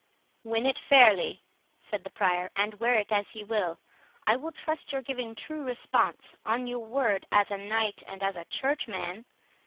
"Win it fairly," said the Prior, "and wear it as ye will; I will trust your giving true response, on your word as a knight and as a churchman.